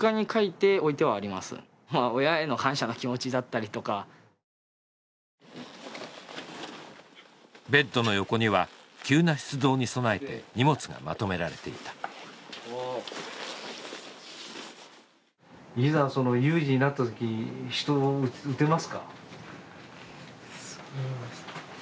親への感謝の気持ちだったりとかベッドの横には急な出動に備えて荷物がまとめられていたいざ有事になった時人を撃てますかそうですね